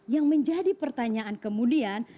yang menjadi pertanyaan kemudian